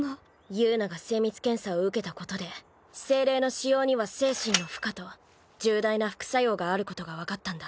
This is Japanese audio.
友奈が精密検査を受けたことで精霊の使用には精神の負荷と重大な副作用があることが分かったんだ。